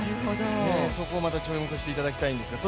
そこをまた注目していただきたいんですけど。